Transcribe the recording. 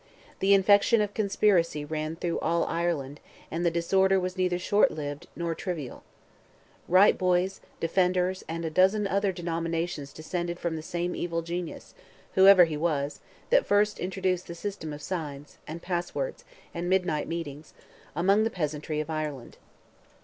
The infection of conspiracy ran through all Ireland, and the disorder was neither short lived nor trivial. Right boys, Defenders, and a dozen other denominations descended from the same evil genius, whoever he was, that first introduced the system of signs, and passwords, and midnight meetings, among the peasantry of Ireland.